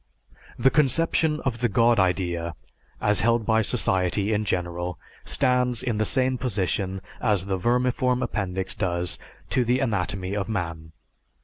The conception of the God idea as held by society in general stands in the same position as the vermiform appendix does to the anatomy of man.